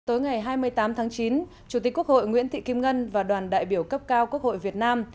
tối ngày hai mươi tám tháng chín chủ tịch quốc hội nguyễn thị kim ngân và đoàn đại biểu cấp cao quốc hội việt nam